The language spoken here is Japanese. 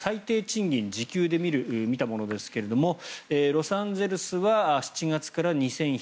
これは各国の最低賃金時給で見たものですがロサンゼルスは７月から２１５０円